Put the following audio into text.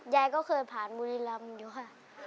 ยายก็เคยผ่านบุรีรำอยู่ค่ะ